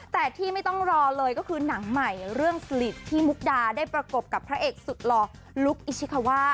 แต่ที่ไม่ต้องรอเลยก็คือหนังใหม่เรื่องผลิตที่มุกดาได้ประกบกับพระเอกสุดหล่อลุคอิชิคาวา